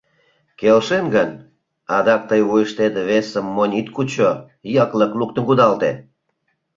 Келшем гын, адак тый вуйыштет весым монь ит кучо, йыклык луктын кудалте.